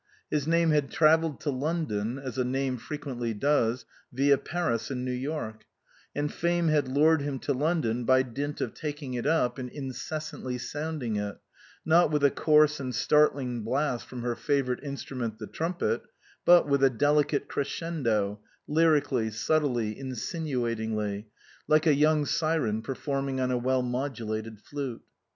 His name had travelled to London, as a name frequently does, vid Paris and New York ; and Fame had lured him to London by dint of taking it up and incessantly sounding it, not with a coarse and startling blast from her favourite instrument the trumpet, but with a delicate crescendo, lyrically, subtly, insinuatingly, like a young syren performing on a well modu lated flute.